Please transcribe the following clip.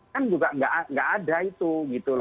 kan juga nggak ada itu gitu loh